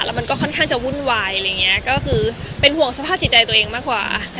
แล้วมันก็ค่อนข้างจะวุ่นวายเป็นห่วงสภาพจิตใจตัวเองมากกว่า